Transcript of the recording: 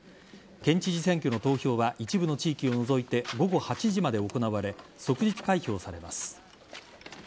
県知事選挙の投票は一部の地域を除いて午後８時まで行われ即日開票されます。